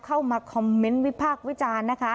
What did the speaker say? เข้ามาคอมเมนต์วิพากษ์วิจารณ์นะคะ